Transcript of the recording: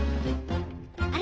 あれ？